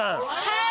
はい！